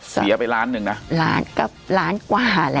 เสียไปล้านหนึ่งนะล้านกับล้านกว่าแล้ว